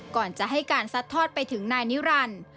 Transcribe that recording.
ก่อนจะให้การซัดทอดไปถึงนายนิรันดิ์